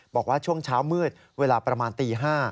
บอกว่าช่วงเช้ามืดเวลาประมาณตี๕